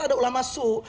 ada ulama suh